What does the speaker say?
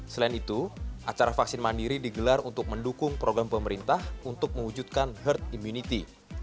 selain itu acara vaksin mandiri digelar untuk mendukung program pemerintah untuk mewujudkan herd immunity